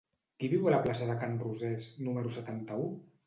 Qui viu a la plaça de Can Rosés número setanta-u?